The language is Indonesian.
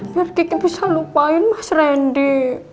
biar dikit bisa lupain mas randy